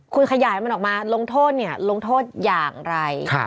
คุณขยายมันออกมาลงโทษอย่างไร